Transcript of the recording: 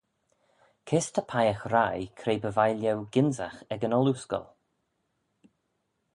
Kys ta peiagh reih cre by vie lhieu gynsagh ec yn ollooscoill?